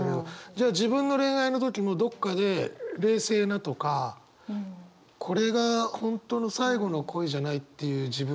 じゃあ自分の恋愛の時もどっかで冷静なとかこれが本当の最後の恋じゃないっていう自分。